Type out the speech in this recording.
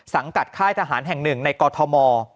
กับค่ายทหารแห่งหนึ่งในกอทม